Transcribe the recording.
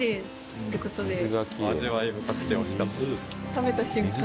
食べた瞬間